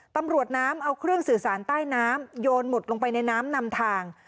ตำรวจน้ำเอาเครื่องสื่อสารใต้น้ำโยนหมุดลงไปในน้ำนำทาง